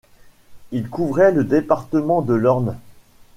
Il couvrait le département de l'Orne.